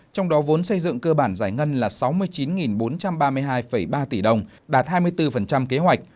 trong đó vốn xây dựng cơ bản giải ngân là sáu mươi chín bốn trăm ba mươi hai ba tỷ đồng đạt hai mươi bốn kế hoạch